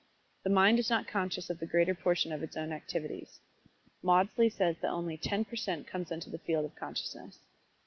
The mind is not conscious of the greater portion of its own activities Maudsley says that only ten per cent comes into the field of consciousness.